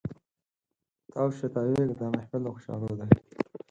تاو شه تاویږه دا محفل د خوشحالو دی